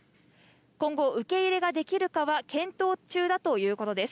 今後、受け入れができるかは検討中だということです。